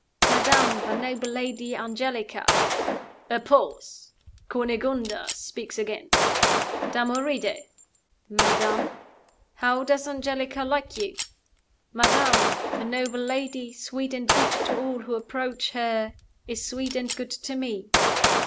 'Madam, the noble lady Angelica.' (A pause. Cunegonda speaks again.) 'Damoride!' 'Madam?' 'How does Angelica like you?' 'Madam, the noble lady, sweet and good to all who approach her, is sweet and good to me.